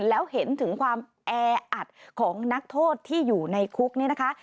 แล้วเห็นถึงความแออัดของนักโทษที่อยู่ในคุกเนี่ยนะคะ